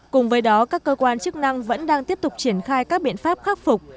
cùng với đó các cơ quan chức năng vẫn đang tiếp tục triển khai các biện pháp khắc phục